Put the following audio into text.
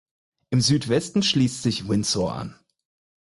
Im Südwesten schließt sich Windsor an.